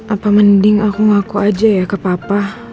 apa mending aku ngaku aja ya ke papa